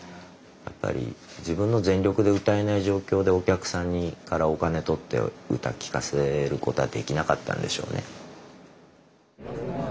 やっぱり自分の全力で歌えない状況でお客さんからお金取って歌聴かせる事はできなかったんでしょうね。